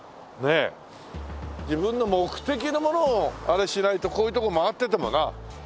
自分の目的のものをあれしないとこういう所回っててもな。